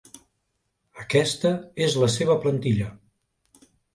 Aquesta és la seva plantilla.